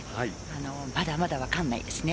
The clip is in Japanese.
まだまだ分からないです。